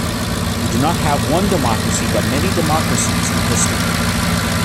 We do not have one democracy but many democracies in history.